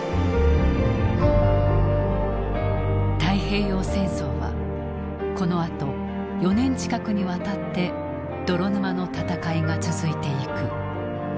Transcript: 太平洋戦争はこのあと４年近くにわたって泥沼の戦いが続いていく。